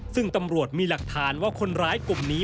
ซึ่งตำรวจมีหลักฐานว่าคนร้ายกลุ่มนี้